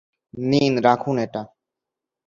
নিন, রাখুন এটা।